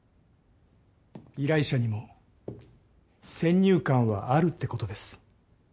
依頼者にも先入観はあるってことです。